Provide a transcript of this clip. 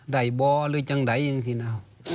ได้บ่อหรือจังใดจังสินะ